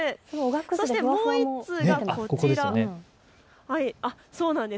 そしてもう１通がこちら。